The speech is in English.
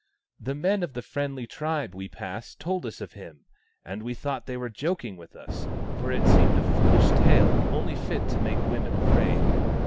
" The men of the friendly tribe we passed told us of him, but we thought they were joking with us, for it seemed a foolish tale, only fit to make women afraid.